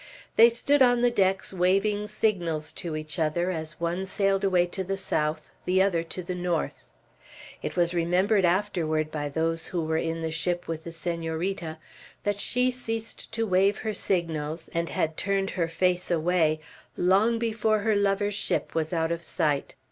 They stood on the decks waving signals to each other as one sailed away to the south, the other to the north. It was remembered afterward by those who were in the ship with the Senorita, that she ceased to wave her signals, and had turned her face away, long before her lover's ship was out of sight.